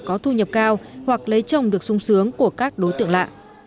có thu nhập cao hoặc lấy chồng được sung sướng của các đối tượng lạ